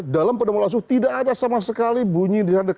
dalam pedoman pola asuh tidak ada sama sekali bunyi